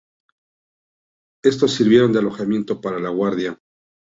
Estas sirvieron de alojamiento para la guardia.